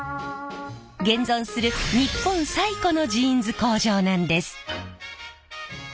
現存する日本最古のジーンズ工場なんです。